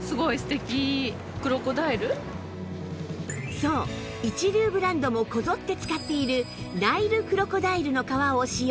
そう一流ブランドもこぞって使っているナイルクロコダイルの革を使用